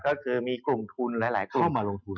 ก็คือมีกลุ่มทุนและหลายกลุ่ม